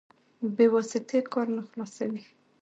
بې واسطې کار نه خلاصوي.